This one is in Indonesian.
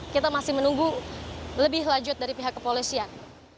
kita masih menunggu lebih lanjut dari pihak kepolisian